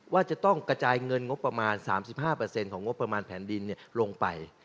ว่าจะต้องกระจายเงินงบประมาณ๓๕ของงบประมาณแผ่นดินลงไป